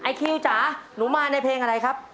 คิวจ๋าหนูมาในเพลงอะไรครับ